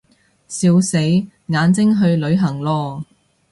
笑死，眼睛去旅行囉